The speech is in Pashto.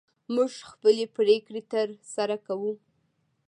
موږ خپلې پرېکړې تر سره کوو.